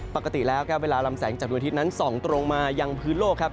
ปกติแล้วเวลาลำแสงจากนวดทิศนั้นส่องตรงมายังพื้นโลก